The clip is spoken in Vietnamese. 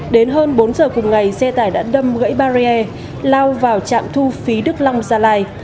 đến hơn bốn giờ cùng ngày xe tải đã đâm gãy barrier lao vào trạm thu phí đức long gia lai